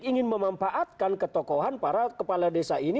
ingin memanfaatkan ketokohan para kepala desa ini